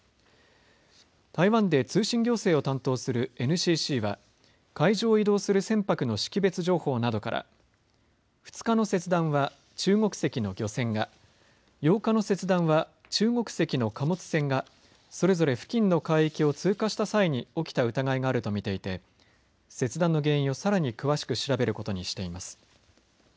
台湾で通信行政を担当するＮＣＣは海上を移動する船舶の識別情報などから２日の切断は中国籍の漁船が、８日の切断は中国籍の貨物船がそれぞれ付近の海域を通過した際に起きた疑いがあると見ていて切断の原因をさらに詳しく調べることにしています。